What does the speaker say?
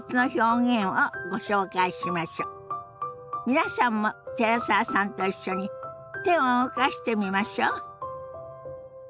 皆さんも寺澤さんと一緒に手を動かしてみましょ。